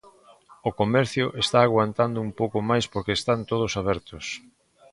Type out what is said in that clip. O comercio está aguantando un pouco máis porque están todos abertos.